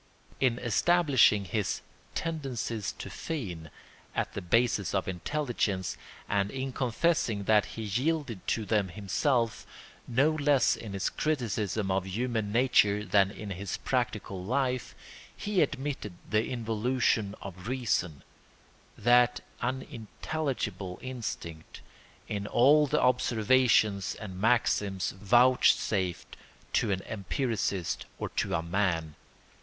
In establishing his "tendencies to feign" at the basis of intelligence, and in confessing that he yielded to them himself no less in his criticism of human nature than in his practical life, he admitted the involution of reason—that unintelligible instinct—in all the observations and maxims vouchsafed to an empiricist or to a man.